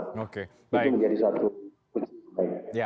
itu menjadi satu kunci